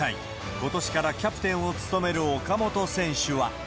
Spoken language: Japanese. ことしからキャプテンを務める岡本選手は。